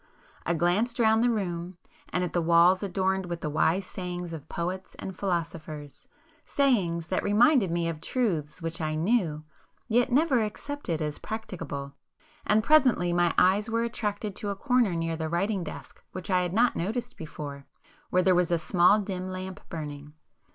I glanced round the room, and at the walls adorned with the wise sayings of poets and philosophers,—sayings that reminded me of truths which I knew, yet never accepted as practicable; and presently my eyes were attracted to a corner near the writing desk which I had not noticed before, where there was a small dim lamp burning.